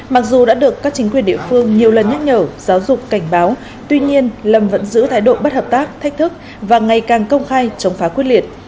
mặc dù đã được các chính quyền địa phương nhiều lần nhắc nhở giáo dục cảnh báo tuy nhiên lâm vẫn giữ thái độ bất hợp tác thách thức và ngày càng công khai chống phá quyết liệt